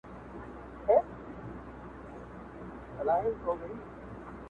• د انسان کمال یې نه وو پېژندلی -